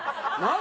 何？